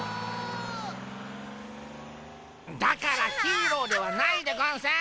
だからヒーローではないでゴンス！